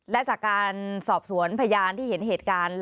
และจากการสอบสวนพยานที่เห็นเหตุการณ์